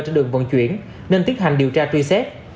trên đường vận chuyển nên tiến hành điều tra truy xét